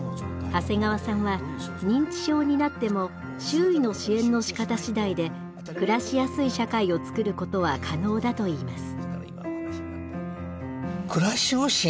長谷川さんは認知症になっても周囲の支援のしかた次第で暮らしやすい社会を作ることは可能だと言います。